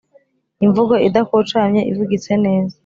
imvugo idakocamye, ivugitse neza